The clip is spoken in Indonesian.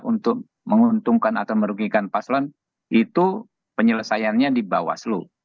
untuk menguntungkan atau merugikan paslon itu penyelesaiannya di bawaslu